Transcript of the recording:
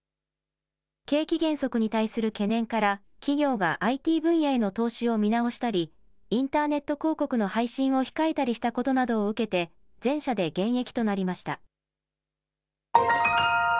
景気減速に対する懸念から企業がＩＴ分野への投資を見直したりインターネット広告の配信を控えたりしたことなどを受けて全社で減益となりました。